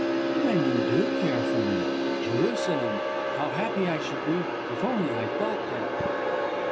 "Then you do care for me! Jerusalem! How happy I should be if only I thought that!"